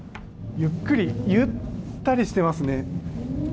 ゆっくりゆったりしていますね。